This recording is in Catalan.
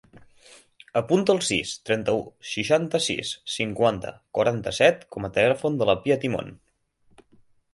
Apunta el sis, trenta-u, seixanta-sis, cinquanta, quaranta-set com a telèfon de la Pia Timon.